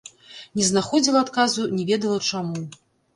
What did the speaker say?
Не знаходзіла адказу, не ведала чаму.